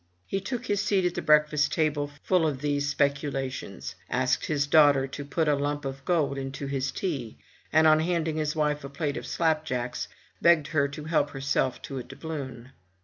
He took his seat at the breakfast table full of these specula tions; asked his daughter to put a lump of gold into his tea, and on handing his wife a plate of slapjacks, begged her to help her self to a doubloon.